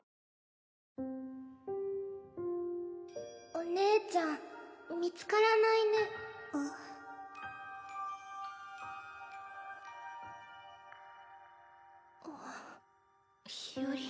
お姉ちゃん見つからないねんっあっ。